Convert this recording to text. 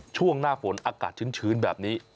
ช่วงหน้าฝนอากาศชื้นแบบนี้